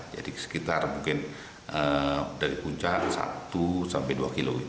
jadi sekitar mungkin dari puncak satu sampai dua km